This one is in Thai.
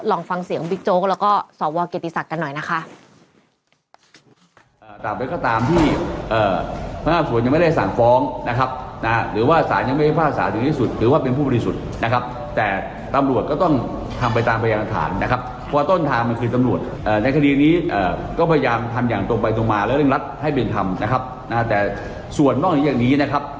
ลองฟังเสียงบิ๊กโจ๊กแล้วก็สวเกติศักดิ์กันหน่อยนะคะ